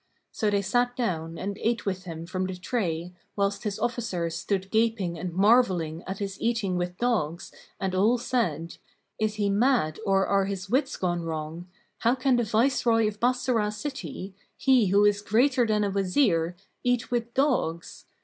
So they sat down and ate with him from the tray, whilst his officers stood gaping and marvelling at his eating with dogs and all said, "Is he mad or are his wits gone wrong? How can the Viceroy of Bassorah city, he who is greater than a Wazir, eat with dogs?